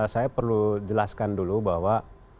saya perlu jelaskan dulu bahwa